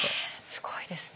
すごいですね。